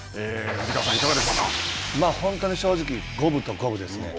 本当に正直、五分と五分ですね。